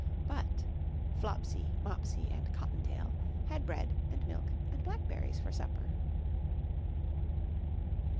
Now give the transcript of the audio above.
But Flopsy, Mopsy and Cottontail had bread and milk and blackberries for supper.